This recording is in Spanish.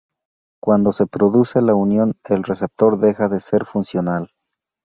Cuando se produce la unión el receptor deja de ser funcional.